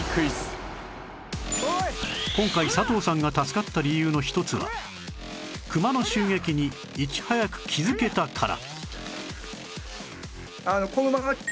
今回佐藤さんが助かった理由の一つはクマの襲撃にいち早く気づけたから